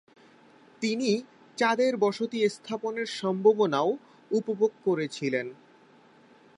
তিনি চাঁদের বসতি স্থাপনের সম্ভাবনাও উপভোগ করেছিলেন।